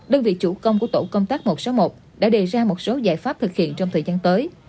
đơn vị chủ công của tổ công tác một trăm sáu mươi một đã đề ra một số giải pháp thực hiện trong thời gian tới